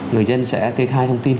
người dân sẽ kê khai thông tin